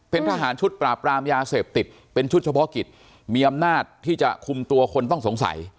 เป็นทหารชุดปราบรามยาเสพติดเป็นชุดเฉพาะกิจมีอำนาจที่จะคุมตัวคนต้องสงสัย